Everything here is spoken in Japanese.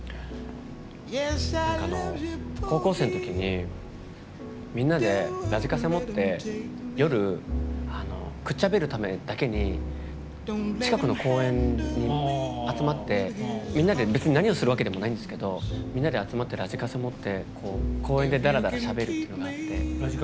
なんか、高校生の時にみんなでラジカセ持って夜、くっちゃべるためだけに近くの公園に集まって別に何をするわけじゃないんですけどみんなで集まってラジカセ持って公園で、だらだらしゃべるっていうのがあって。